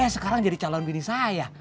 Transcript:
sekarang jadi calon bini saya